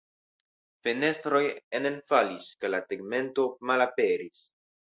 Fenestroj enenfalis kaj la tegmento malaperis.